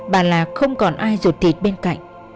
bà lạc không còn ai rụt thịt bên cạnh